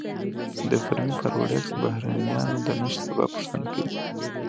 د فرمی پاراډوکس د بهرنیانو د نشت سبب پوښتنه کوي.